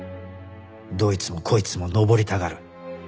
どいつもこいつも登りたがる